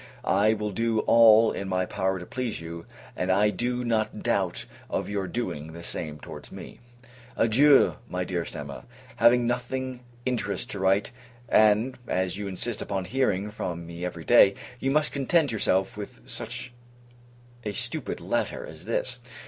I will do all in my power to please you, and I do not doubt of your doing the same towards me. Adieu, my dearest Emma! Having nothing interesting to write, and as you insist upon hearing from me every day, you must content yourself with such a stupid letter as this.